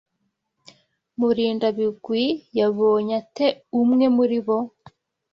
Murindabigwi yabonye ate umwe muri abo?